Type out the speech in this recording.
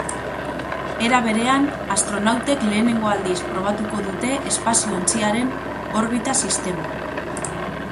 Era berean, astronautek lehenengo aldiz probatuko dute espazio-ontziaren orbita sistema.